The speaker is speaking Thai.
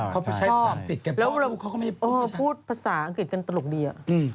เขาชอบแล้วพูดภาษาอังกฤษกันตลกดี